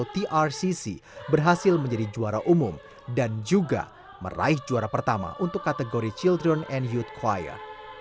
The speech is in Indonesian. trcc berhasil menjadi juara umum dan juga meraih juara pertama untuk kategori children and youth choir